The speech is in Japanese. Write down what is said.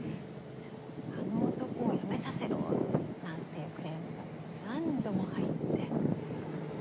あの男を辞めさせろ！なんていうクレームがもう何度も入って。